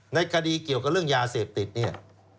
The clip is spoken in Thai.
ในคดีเกี่ยวกับเรื่องยาเสพติดเนี่ย